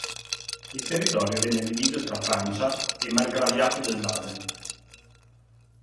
Il territorio venne diviso tra Francia e margraviato del Baden.